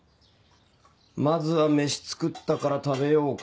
まずは飯作ったから食べようか。